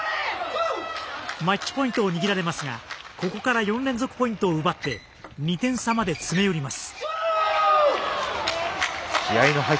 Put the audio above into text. マッチポイントを握られますがここから４連続ポイントを奪って２点差まで詰め寄ります。